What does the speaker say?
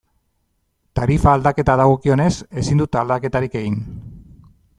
Tarifa aldaketa dagokionez, ezin dut aldaketarik egin.